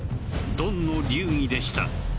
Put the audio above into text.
ドンの流儀でした